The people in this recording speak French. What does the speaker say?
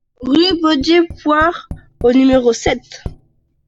Rue Bodié Pouard au numéro sept